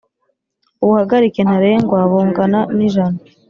Ubuhagarike ntarengwa bungana nijana.